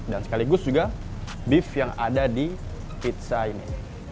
dan sekaligus juga beef yang ada di pizza ini